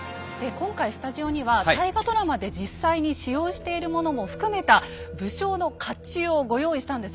今回スタジオには大河ドラマで実際に使用しているものも含めた武将の甲冑をご用意したんです。